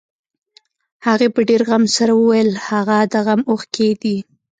هغې په ډېر غم سره وويل هغه د غم اوښکې دي.